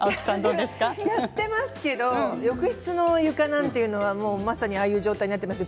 やってますけど浴室の床なんていうのはまさにああいう状態になっています。